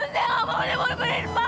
saya nggak mau saya mau diberi bapak